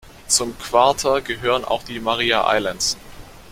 Zum Quarter gehören auch die Maria Islands.